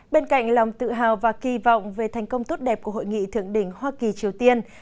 bên cạnh lòng tự hào và kỳ vọng về thành công tốt đẹp của hội nghị thượng đỉnh hoa kỳ triều tiên